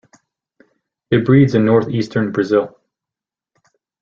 It breeds in north eastern Brazil.